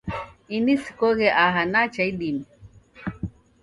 Ini sikoghe aha nacha idime